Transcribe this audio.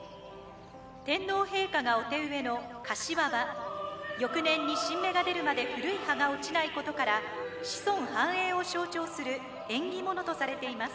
天皇陛下がお手植えのカシワは翌年に新芽が出るまで古い葉が落ちないことから子孫繁栄を象徴する縁起物とされています。